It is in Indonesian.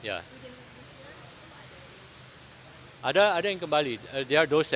ini yang harus segera dipulangkan dan dipercepat prosesnya kita merasa prosesnya masih terlalu lama